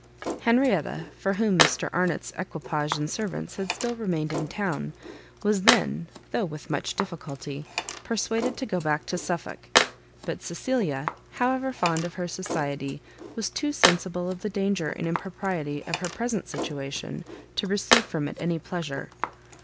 Henrietta, for whom Mr Arnott's equipage and servants had still remained in town, was then, though with much difficulty, persuaded to go back to Suffolk: but Cecilia, however fond of her society, was too sensible of the danger and impropriety of her present situation, to receive from it any pleasure.